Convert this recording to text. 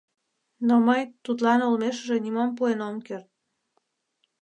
Но мый тудлан олмешыже нимом пуэн ом керт.